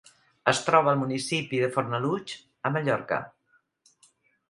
Es troba al municipi de Fornalutx, a Mallorca.